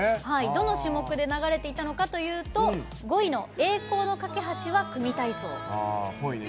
どの種目で流れていたのかというと５位の「栄光の架橋」は組体操。